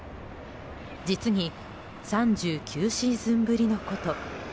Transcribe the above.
実に３９シーズンぶりのこと。